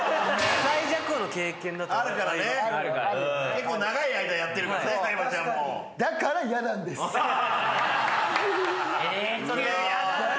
結構長い間やってるからね相葉ちゃんも。えやだなぁ。